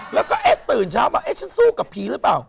แล้วก็ตื่นเช้ามาฉันสู้กับผีหรือเปล่า